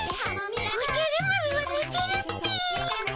おじゃる丸はねてるっピィ。